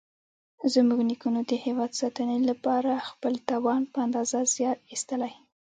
زموږ نیکونو د هېواد ساتنې لپاره خپل توان په اندازه زیار ایستلی.